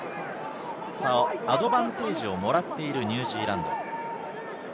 アドバンテージをもらっているニュージーランド。